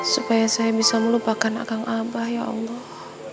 supaya saya bisa melupakan akang abah ya allah